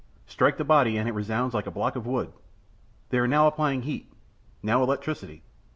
Strike the body and it resounds like a block of wood. They are now applying heat; now electricity.